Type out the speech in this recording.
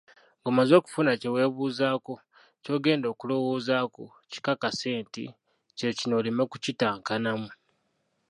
Ng'omaze okufuna kye weebuuzaako, ky'ogenda okulowoozaako, kikakase nti: Kye kino, oleme kukintankanamu.